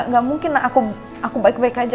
gak mungkin aku baik baik aja